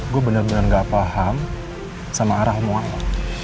gua bener bener gak paham sama arah ngomong apa